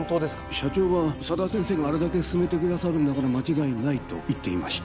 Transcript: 社長は佐田先生があれだけ勧めてくださるんだから間違いないと言っていました